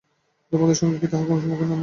তোমাদের সঙ্গে কি তাহার কোনো সম্পর্ক নাই মা?